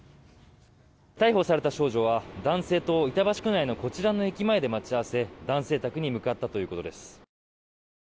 逮捕された少女は男性と板橋区内のこちらの駅前で待ち合わせ男性宅に向かったということです。